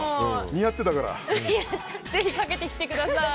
ぜひ、かけてきてください。